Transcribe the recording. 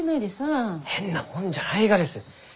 変なもんじゃないがです。